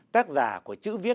tác giả của chữ viết